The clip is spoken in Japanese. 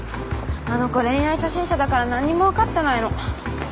あの子恋愛初心者だから何にもわかってないの。